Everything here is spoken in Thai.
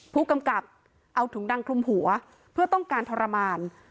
ผู้กำกับเอาถุงดำคลุมหัวเพื่อต้องการทรมาน